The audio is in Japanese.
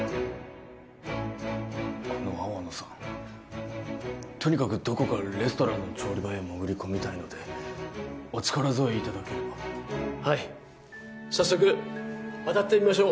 あの粟野さんとにかくどこかレストランの調理場へ潜り込みたいのでお力添えいただければはい早速当たってみましょう